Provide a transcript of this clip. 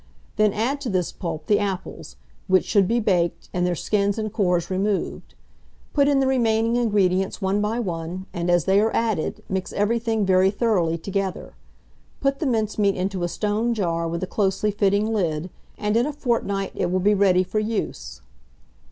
Then add to this pulp the apples, which should be baked, and their skins and cores removed; put in the remaining ingredients one by one, and, as they are added, mix everything very thoroughly together. Put the mincemeat into a stone jar with a closely fitting lid, and in a fortnight it will be ready for use.